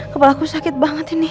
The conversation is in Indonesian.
kepala aku sakit banget ini